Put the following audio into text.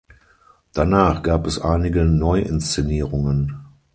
Danach gab es einige Neuinszenierungen.